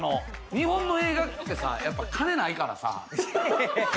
日本の映画って金ないからさ。